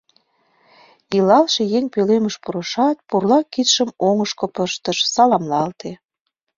Илалше еҥ пӧлемыш пурышат, пурла кидшым оҥышко пыштыш, саламлалте.